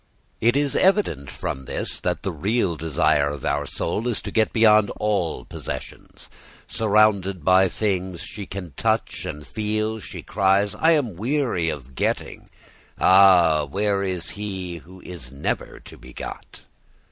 It is evident from this that the real desire of our soul is to get beyond all our possessions. Surrounded by things she can touch and feel, she cries, "I am weary of getting; ah, where is he who is never to be got?"